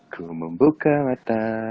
ku membuka mata